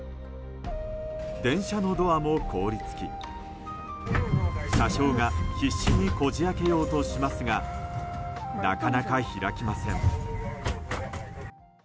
電車のドアも凍り付き車掌が必死にこじ開けようとしますがなかなか開きません。